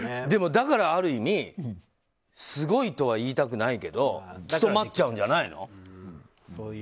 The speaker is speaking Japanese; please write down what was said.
でも、だからある意味すごいとは言いたくないけど務まっちゃうんじゃないの？